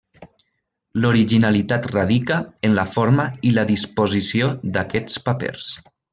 L'originalitat radica en la forma i la disposició d'aquests papers.